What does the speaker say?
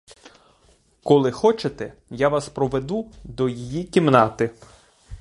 Коли хочете, я вас проведу до її кімнати.